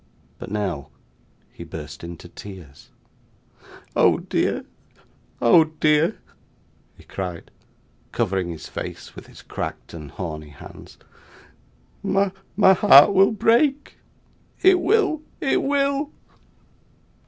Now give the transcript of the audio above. But, now, he burst into tears. 'Oh dear, oh dear!' he cried, covering his face with his cracked and horny hands. 'My heart will break. It will, it will.